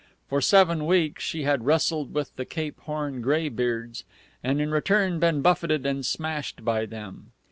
For seven weeks she had wrestled with the Cape Horn gray beards, and in return been buffeted and smashed by them.